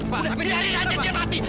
biarin aja dia mati